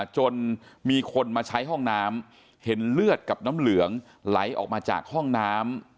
จนมีคนมาใช้ห้องน้ำเห็นเลือดกับน้ำเหลืองไหลออกมาจากห้องน้ำ